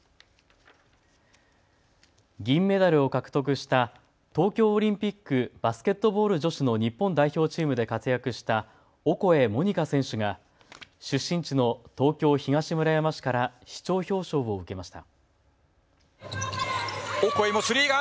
銀メダルを獲得した東京オリンピック・バスケットボール女子の日本代表チームで活躍したオコエ桃仁花選手が出身地の東京東村山市から市長表彰を受けました。